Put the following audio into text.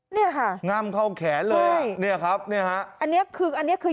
เนี่ยค่ะง่ำเข้าแขนเลยเนี่ยครับเนี่ยฮะอันเนี้ยคืออันเนี้ยคือ